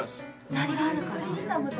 何があるかな？